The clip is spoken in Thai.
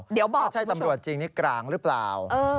ถ้าใช่ตำรวจจริงนี่กลางหรือเปล่า